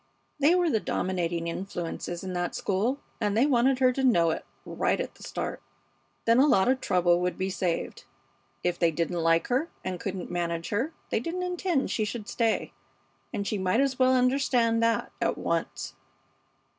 They were the dominating influences in that school, and they wanted her to know it, right at the start; then a lot of trouble would be saved. If they didn't like her and couldn't manage her they didn't intend she should stay, and she might as well understand that at once.